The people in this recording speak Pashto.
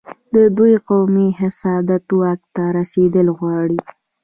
د دوی قومي حسادت واک ته رسېدل غواړي.